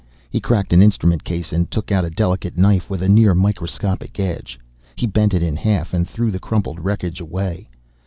He cracked an instrument case and took out a delicate knife with a near microscopic edge. He bent it in half and threw the crumpled wreckage away.